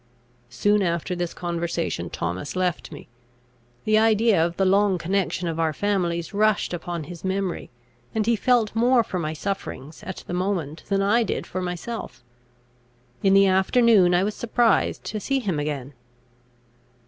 Soon after this conversation Thomas left me. The idea of the long connection of our families rushed upon his memory, and he felt more for my sufferings, at the moment, than I did for myself. In the afternoon I was surprised to see him again.